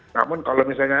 namun kalau misalnya